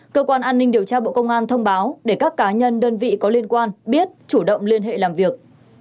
cơ quan an ninh điều tra bộ công an thông báo để các cá nhân đơn vị có liên quan biết chủ động liên hệ làm việc